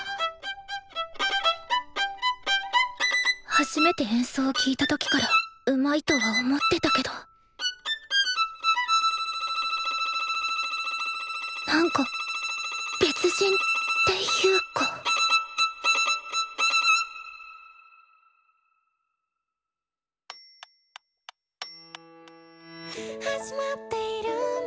初めて演奏を聴いた時からうまいとは思ってたけどなんか別人っていうか「始まっているんだ